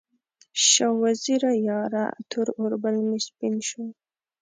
شاه وزیره یاره، تور اوربل مې سپین شو